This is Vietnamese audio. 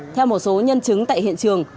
theo một số nhân chứng tại hiện trường